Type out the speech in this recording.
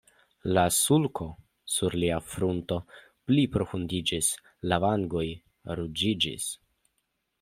La sulko sur lia frunto pli profundiĝis, la vangoj ruĝiĝis.